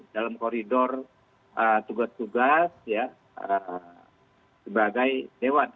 dalam koridor tugas tugas sebagai dewan